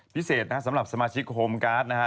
พิเศษนะฮะสำหรับสมาชิกโฮมการ์ดนะฮะ